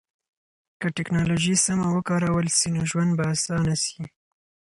که ټکنالوژي سمه وکارول سي نو ژوند به اسانه سي.